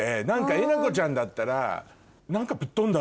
えなこちゃんだったら。